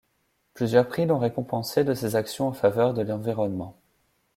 Plusieurs prix l'ont récompensé de ses actions en faveur de l'environnement.